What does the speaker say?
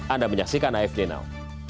anda menyaksikan afd now